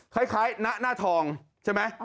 คล้ายณหน้าทองใช่ไหม